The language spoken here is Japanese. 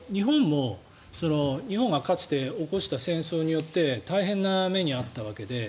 日本はかつて起こした戦争によって大変な目に遭ったわけで。